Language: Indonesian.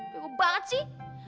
wah duk banget sih